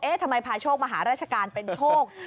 ทำไมพาโชคมาหาราชการเป็นโชค